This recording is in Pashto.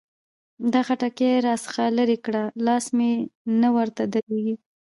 دا خټکي را څخه لري کړه؛ لاس مې نه ورته درېږي.